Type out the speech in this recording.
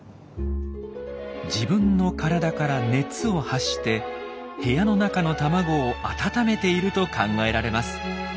自分の体から熱を発して部屋の中の卵を温めていると考えられます。